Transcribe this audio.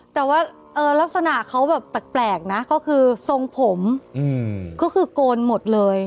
แต่ว่าลักษณะเขาแบบแปลกนะก็คือทรงผมก็คือโกนหมดเลย